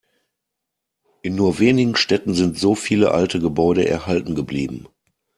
In nur wenigen Städten sind so viele alte Gebäude erhalten geblieben.